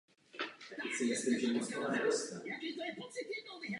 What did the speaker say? Naproti tomu v západních se tyto skupiny zachovaly beze změny.